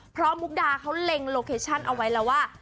เพราะมุกดาเขาเล็งโลเคชั่นเอาไว้แล้วว่า